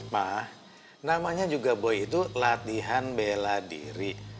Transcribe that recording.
mah namanya juga boy itu latihan bela diri